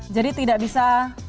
jadi tidak bisa